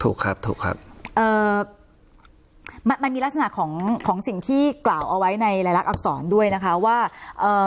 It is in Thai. ถูกครับถูกครับเอ่อมันมันมีลักษณะของของสิ่งที่กล่าวเอาไว้ในรายลักษณอักษรด้วยนะคะว่าเอ่อ